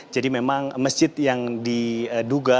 jadi memang masjid yang diduga